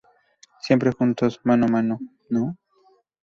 siempre juntos, mano a mano, ¿ no?